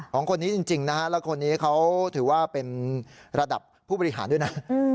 ของคนนี้จริงนะฮะแล้วคนนี้เขาถือว่าเป็นระดับผู้บริหารด้วยนะ